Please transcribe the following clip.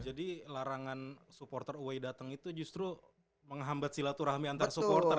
jadi larangan supporter away datang itu justru menghambat silaturahmi antar supporter